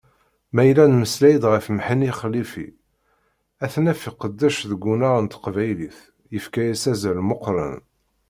Ma yella nemmeslay-d ɣef Mhenni Xalifi, ad t-naf iqeddec deg unnar n teqbaylit, yefka-as azal meqqṛen.